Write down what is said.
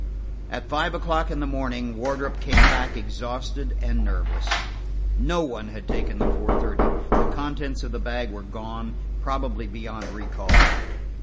At five o'clock in the morning Wardrop came back exhausted and nerveless. No one had taken the four thirty; the contents of the bag were gone, probably beyond recall.